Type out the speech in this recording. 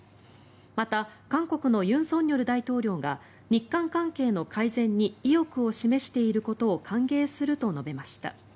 また、韓国の尹錫悦大統領が日韓関係の改善に意欲を示していることを歓迎すると述べました。